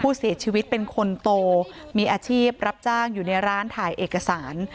ผู้เสียชีวิตเป็นคนโตมีอาชีพรับจ้างอยู่ในร้านถ่ายเอกสาร